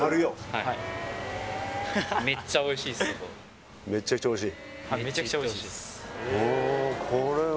はいめちゃくちゃおいしい？